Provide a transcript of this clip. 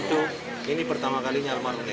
ini pertama kalinya almarhum